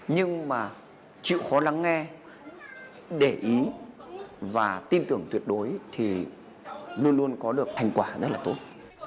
nhưng mà chịu khó lắng nghe để ý và tin tưởng tuyệt đối thì luôn luôn có được thành quả rất là tốt